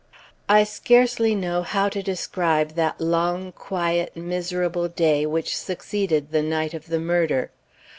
I scarcely know how to describe that long, quiet, miserable day which succeeded the night of the murder.